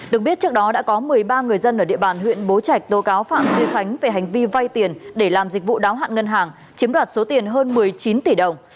được biết trước đó đã có một mươi ba người dân ở địa bàn huyện bố trạch tố cáo phạm duy khánh về hành vi vay tiền để làm dịch vụ đáo hạn ngân hàng chiếm đoạt số tiền hơn một mươi chín tỷ đồng